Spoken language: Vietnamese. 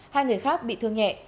hai người khác bị thương nhẹ